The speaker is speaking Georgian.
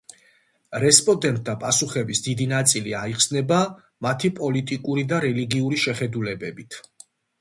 რესპოდენტთა პასუხების დიდი ნაწილი აიხსნება მათი პოლიტიკური და რელიგიური შეხედულებებით.